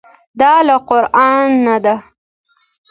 دا له قرانه ده.